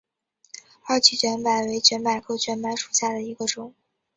二歧卷柏为卷柏科卷柏属下的一个种。